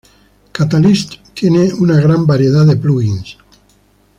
Catalyst tiene una gran variedad de plugins.